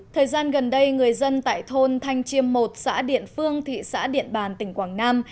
thời gian gần đây người dân tại thôn thanh chiêm một xã điện phương thị xã điện bàn tỉnh quảng nam